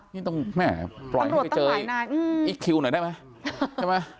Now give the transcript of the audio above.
นี่ต้องแม่ปล่อยให้ไปเจออีคคิวหน่อยได้ไหมใช่ไหม